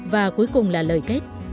và cuối cùng là lời kết